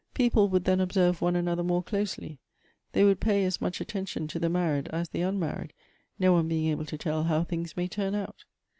People would then observe one another more closely ; they would pay as much attention to the married as the unmarried, no one being able to tell how things may turn out."